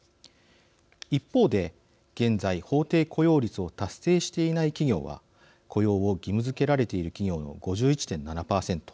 一方で現在法定雇用率を達成していない企業は雇用を義務づけられている企業の５１．７％。